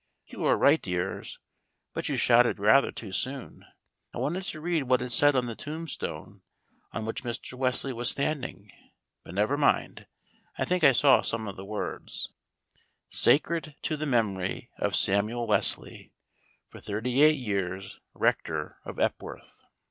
You are right, dears, but you shouted rather too soon. I wanted to read what it said on the tombstone on which Mr. Wesley was standing. But, never mind, I think I saw some of the words: "SACRED TO THE MEMORY OF SAMUEL WESLEY, FOR THIRTY EIGHT YEARS RECTOR OF EPWORTH."